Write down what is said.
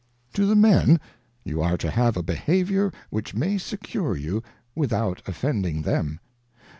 pfo the Men you are to have a Behaviour which may secure you, wTthouf^offending them.